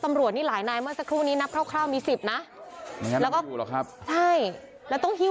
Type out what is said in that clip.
ตำรวจก็พยายามพูดคุยก่อนแล้วเจรจาก่อนแล้ว